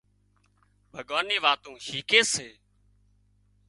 ڀُڳوان ني واتون شيکي سي